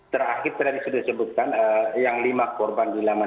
terakhir tadi sudah disebutkan yang lima korban di laman